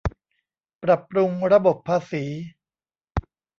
ปรับปรุงระบบภาษี